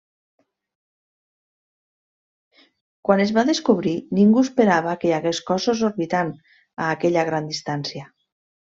Quan es va descobrir ningú esperava que hi hagués cossos orbitant a aquella gran distància.